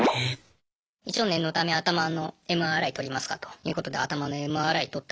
一応念のため頭のＭＲＩ撮りますかということで頭のＭＲＩ撮ったらですね